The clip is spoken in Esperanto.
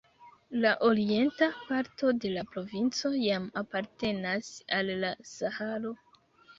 La orienta parto de la provinco jam apartenas al la Saharo.